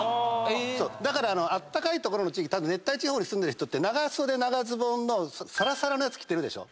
だからあったかい地域熱帯地方に住んでる人って長袖長ズボンのさらさらのやつ着てるでしょ。